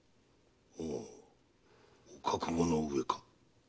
ほうご覚悟の上か。